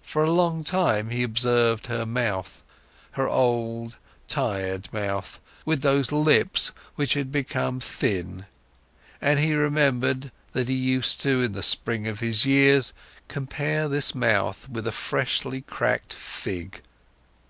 For a long time, he observed her mouth, her old, tired mouth, with those lips, which had become thin, and he remembered, that he used to, in the spring of his years, compare this mouth with a freshly cracked fig.